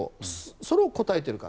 それを答えているか。